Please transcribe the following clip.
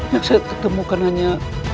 yang saya ketemukan hanya